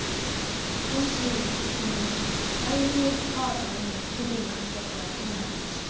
もしその在留カードの期限が切れたらどうなるんですか？